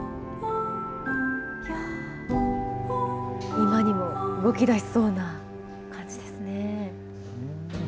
今にも動き出しそうな感じですね。